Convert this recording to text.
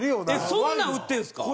そんなん売ってるんですか。